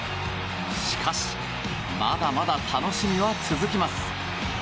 しかしまだまだ楽しみは続きます。